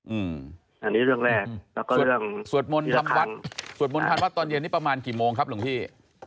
อืมอันนี้เรื่องแรกแล้วก็เรื่องสวดมนต์ทำวัดสวดมนต์ทางวัดตอนเย็นนี้ประมาณกี่โมงครับหลวงพี่